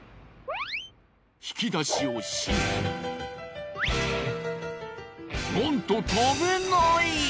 引き出しを閉めなんと食べない！